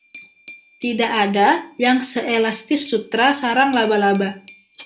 Tidak ada yang seelastis sutra sarang laba-laba.